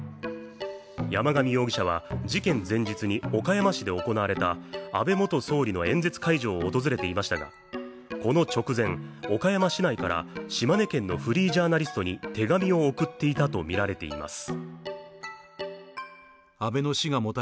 山上容疑者は事件前日に岡山市で行われた安倍元総理の演説会場を訪れていましたが、この直前、岡山市内から島根県のフリージャーナリストに手紙を送っていたとみられています。